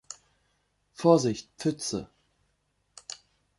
Vorsicht, Pfütze.